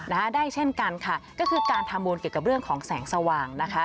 ได้เช่นกันค่ะก็คือการทำบุญเกี่ยวกับเรื่องของแสงสว่างนะคะ